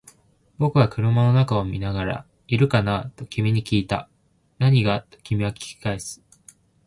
僕は車の中を見ながら、いるかな？と君に訊いた。何が？と君は訊き返す。